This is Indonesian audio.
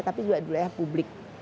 tapi juga di wilayah publik